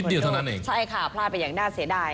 เดียวเท่านั้นเองใช่ค่ะพลาดไปอย่างน่าเสียดาย